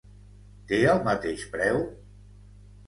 Té el mateix preu?